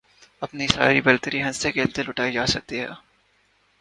اپنی ساری برتری ہنستے کھیلتے لُٹائی جا سکتی ہے